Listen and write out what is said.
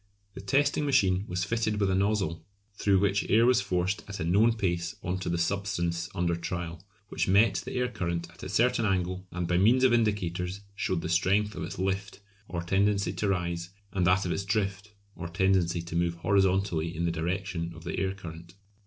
The testing machine was fitted with a nozzle, through which air was forced at a known pace on to the substance under trial, which met the air current at a certain angle and by means of indicators showed the strength of its "lift" or tendency to rise, and that of its "drift" or tendency to move horizontally in the direction of the air current.